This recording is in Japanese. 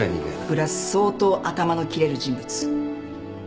プラス相当頭の切れる人物。